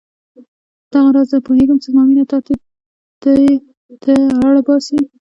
دغه راز زه پوهېږم چې زما مینه تا دې ته اړ باسي.